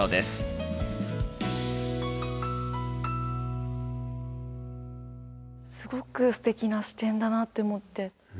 すごくすてきな視点だなって思って。